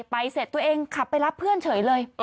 ไปเสร็จตัวเองขับไปรับเพื่อนเฉยเลย